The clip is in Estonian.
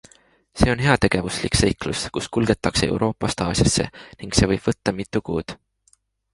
See on heategevuslik seiklus, kus kulgetakse Euroopast Aasiasse ning see võib võtta mitu kuud.